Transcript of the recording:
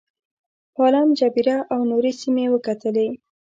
پالم جبیره او نورې سیمې وکتلې.